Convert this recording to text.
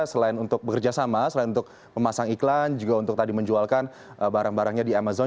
selain untuk bekerja sama selain untuk memasang iklan juga untuk tadi menjualkan barang barangnya di amazon